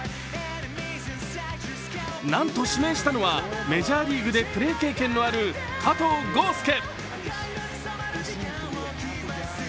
なんと指名したのはメジャーリーグでプレー経験のある加藤豪将。